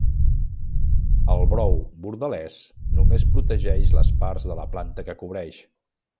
El brou bordelès només protegeix les parts de la planta que cobreix.